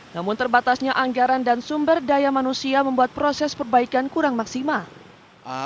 namun terbatasnya anggaran dan sumber daya manusia membuat proses perbaikan kurang maksimal